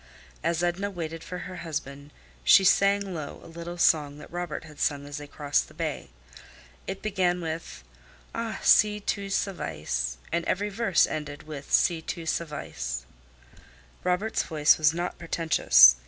As Edna waited for her husband she sang low a little song that Robert had sung as they crossed the bay. It began with "Ah! si tu savais," and every verse ended with "si tu savais." Robert's voice was not pretentious.